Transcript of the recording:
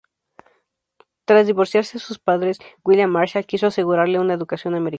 Tras divorciarse sus padres, William Marshall quiso asegurarle una educación americana.